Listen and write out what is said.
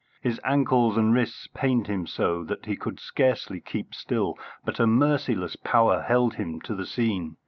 His ankles and wrists pained him so that he could scarcely keep still, but a merciless power held him to the scene.